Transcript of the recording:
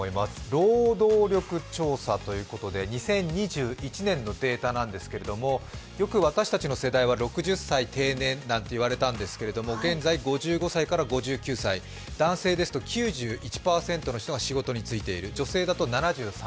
労働力調査ということで２０２１年のデータなんですけどよく私たちの世代は６０歳定年なんて言われたんですけれども、現在５５歳から５９歳、男性ですと９１％の人が仕事についている、女性だと７３％。